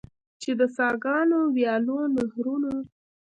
چې د څاګانو، ویالو، نهرونو.